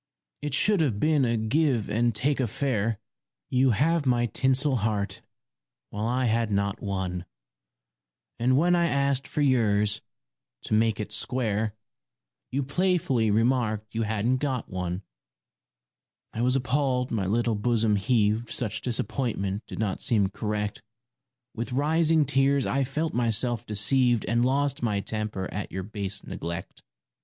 It should have been a give and take affair; You had my tinsel heart, while I had not one, And when I asked for yours, to make it square, You playfully remarked you hadn't got one. 26 A VALENTINE I was appalled my little bosom heaved Such disappointment did not seem correct. With rising tears I felt myself deceived And lost my temper at your base neglect.